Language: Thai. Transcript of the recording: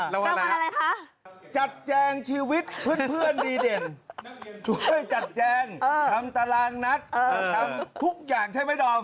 ทำอะไรคะจัดแจงชีวิตเพื่อนดีเด่นช่วยจัดแจงทำตารางนัดทำทุกอย่างใช่ไหมดอม